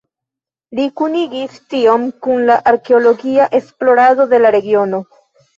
Li kunigis tion kun la arkeologia esplorado de la regiono.